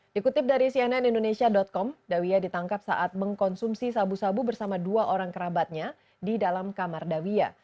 dikutip dari cnn indonesia com dawiya ditangkap saat mengkonsumsi sabu sabu bersama dua orang kerabatnya di dalam kamar dawiya